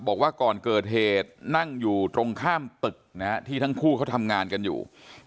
บอกว่าก่อนเกิดเหตุนั่งอยู่ตรงข้ามตึกนะฮะที่ทั้งคู่เขาทำงานกันอยู่